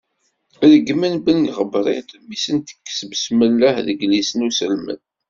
Reggmen Ben Ɣebriṭ mi sen-tekkes "besmelleh" deg idlisen uselmed.